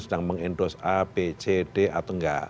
sedang mengendos a b c d atau enggak